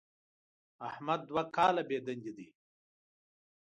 احمد دوه کاله بېدندې دی.